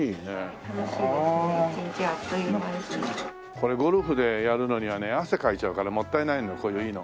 これゴルフでやるのにはね汗かいちゃうからもったいないのこういういいの。